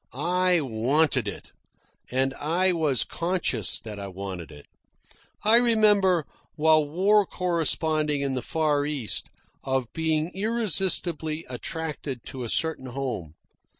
I WANTED it, and I was CONSCIOUS that I wanted it. I remember, while war corresponding in the Far East, of being irresistibly attracted to a certain home.